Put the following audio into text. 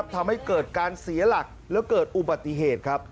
ทำให้เกิดการเสียหลักแล้วเกิดอุบัติเหตุครับ